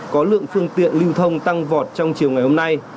có lượng phương tiện lưu thông tăng vọt trong chiều ngày hôm nay